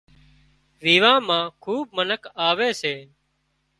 ويوان مان کُوٻ منک آوي سي